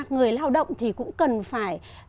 người lao động thì cũng cần phải